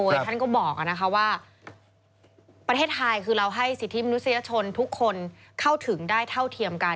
ท่านก็บอกว่าประเทศไทยคือเราให้สิทธิมนุษยชนทุกคนเข้าถึงได้เท่าเทียมกัน